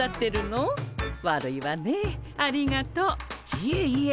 いえいえ。